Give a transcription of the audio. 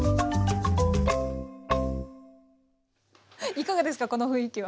いかがですかこの雰囲気は。